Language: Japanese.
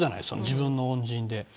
自分の恩人で。